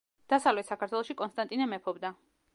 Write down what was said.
დასავლეთ საქართველოში კონსტანტინე მეფობდა.